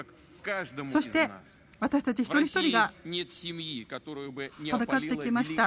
そして、私たち一人ひとりが戦ってきました。